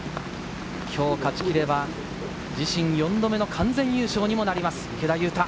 今日勝ちきれば、自身４度目の完全優勝にもなります、池田勇太。